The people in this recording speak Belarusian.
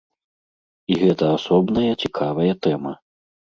І гэта асобная цікавая тэма.